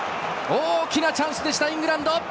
大きなチャンスでしたイングランド。